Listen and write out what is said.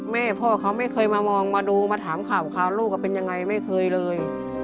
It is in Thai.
พ่อเขาไม่เคยมามองมาดูมาถามข่าวลูกก็เป็นยังไงไม่เคยเลย